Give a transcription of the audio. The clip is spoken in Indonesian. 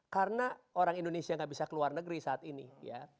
karena orang indonesia gak bisa keluar negeri saat ini ya